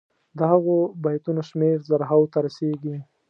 د هغو بیتونو شمېر زرهاوو ته رسيږي.